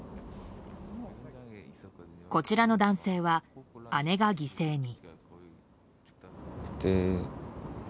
こちらの男性は、姉が犠牲に。